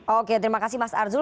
oke terima kasih mas arzul